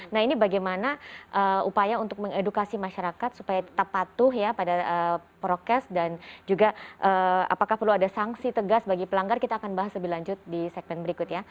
nah ini bagaimana upaya untuk mengedukasi masyarakat supaya tetap patuh ya pada prokes dan juga apakah perlu ada sanksi tegas bagi pelanggar kita akan bahas lebih lanjut di segmen berikut ya